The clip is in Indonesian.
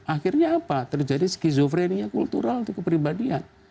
akhirnya apa terjadi skizofrenia kultural di keperibadian